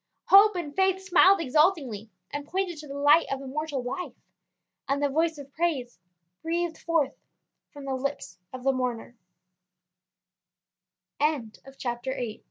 Hope and faith smiled exultingly, and pointed to the light of immortal life, and the voice of praise breathed forth from the lips of the mourn